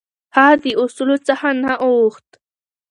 هغه د اصولو څخه نه اوښت.